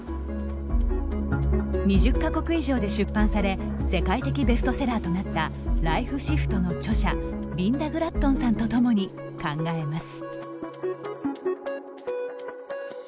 ２０か国以上で出版され世界的ベストセラーとなった「ライフ・シフト」の著者リンダ・グラットンさんとともに考えます。